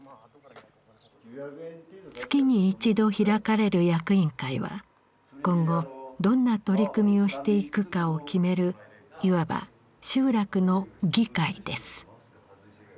月に一度開かれる役員会は今後どんな取り組みをしていくかを決めるいわば集落の議会です。